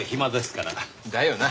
だよな。